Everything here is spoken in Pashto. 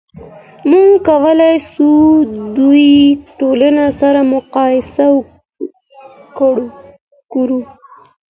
موږ کولای سو دوې ټولنې سره مقایسه کړو.